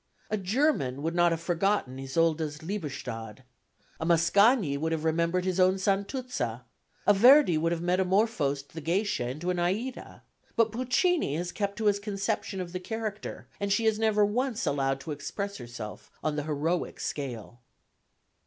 A German would not have forgotten Isolde's Liebestod; a Mascagni would have remembered his own Santuzza; a Verdi would have metamorphosed the Geisha into an Aïda; but Puccini has kept to his conception of the character and she is never once allowed to express herself on the heroic scale."